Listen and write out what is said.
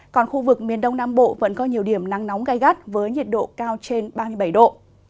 còn khu vực miền đông nam bộ vẫn có nhiều điểm nắng nóng gai gắt với nhiệt độ cao trên ba mươi bảy độ